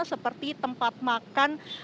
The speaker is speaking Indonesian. seperti tempat makan